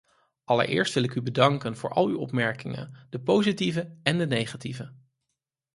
Allereerst wil ik u bedanken voor al uw opmerkingen, de positieve en de negatieve.